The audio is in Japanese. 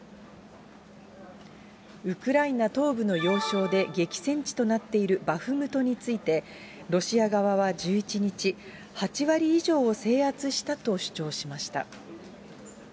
ウクライナ東部の要衝で激戦地となっているバフムトについて、ロシア側は１１日、８割以上を制圧したと主張しました。